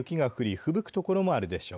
ふぶく所もあるでしょう。